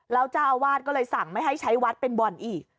แล้วเจ้าอาวาสก็เลยสั่งไม่ให้ใช้วัดเป็นบ่อนอีก